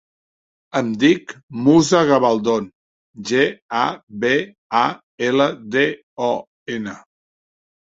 Em dic Moussa Gabaldon: ge, a, be, a, ela, de, o, ena.